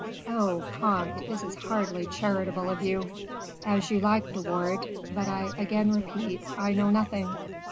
Oh! comte, this is hardly charitable of you." "As you like, De Wardes; but I again repeat, I know nothing."